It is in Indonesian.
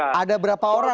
ada berapa orang